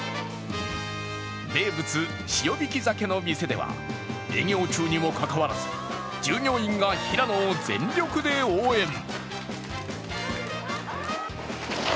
名物、塩引き鮭の店では営業中にもかかわらず従業員が平野を全力で応援。